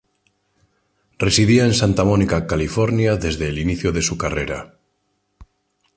Residía en Santa Mónica California desde el inicio de su carrera.